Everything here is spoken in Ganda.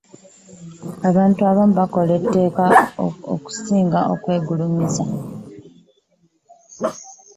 Abantu abamu bakola etteeka okusobola okwegulumiza m